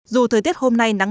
dù thời tiết hôm nay nắng